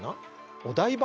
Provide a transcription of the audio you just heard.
お台場。